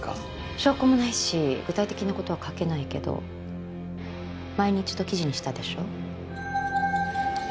証拠もないし具体的なことは書けないけど前に１度記事にしたでしょ？